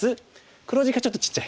黒地がちょっとちっちゃい。